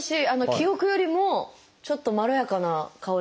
記憶よりもちょっとまろやかな香りですね。